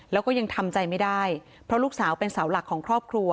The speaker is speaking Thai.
แล้วก็ยังทำใจไม่ได้เพราะลูกสาวเป็นเสาหลักของครอบครัว